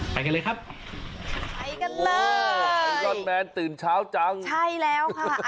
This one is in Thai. ไปกันเลยครับไปกันเลยไปยอดแมนตื่นเช้าจังใช่แล้วค่ะ